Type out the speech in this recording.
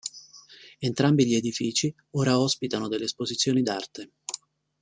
Entrambi gli edifici ora ospitano delle esposizioni d'arte.